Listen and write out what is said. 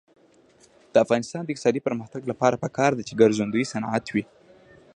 د افغانستان د اقتصادي پرمختګ لپاره پکار ده چې ګرځندوی صنعت وي.